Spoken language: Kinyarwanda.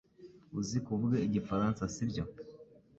Uzi kuvuga igifaransa sibyo